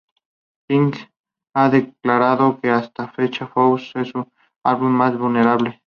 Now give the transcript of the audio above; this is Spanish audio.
Pink ha declarado que hasta la fecha "Funhouse" es su álbum más vulnerable.